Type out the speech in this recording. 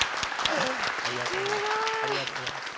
ありがとうございます。